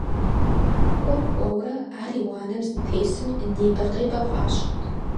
КӀуэм-кӀуэурэ, ар и уанэм здытесым небэ-къебэ хъуащ.